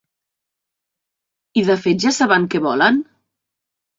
I de fet ja saben què volen?